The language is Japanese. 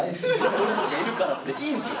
俺たちがいるからっていいんすよ！